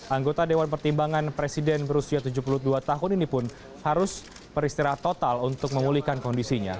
anggota dewan pertimbangan presiden berusia tujuh puluh dua tahun ini pun harus beristirahat total untuk memulihkan kondisinya